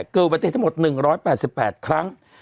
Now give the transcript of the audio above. อุบัติเหตุทั้งหมด๑๘๘ครั้ง